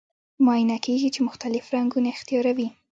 معاینه کیږي چې مختلف رنګونه اختیاروي.